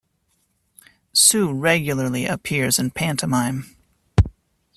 Sue regularly appears in pantomime.